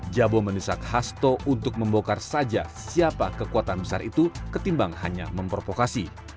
jabo mendesak hasto untuk membongkar saja siapa kekuatan besar itu ketimbang hanya memprovokasi